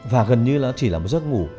và gần như nó chỉ là một giấc ngủ